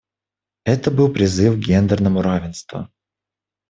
Это был призыв к гендерному равенству.